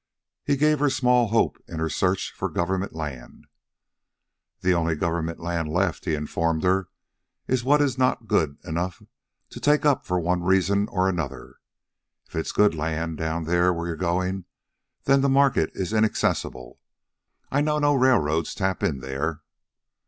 He gave her small hope in her search for government land. "The only government land left," he informed her, "is what is not good enough to take up for one reason or another. If it's good land down there where you're going, then the market is inaccessible. I know no railroads tap in there."